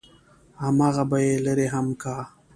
همغه به يې لرې هم کا.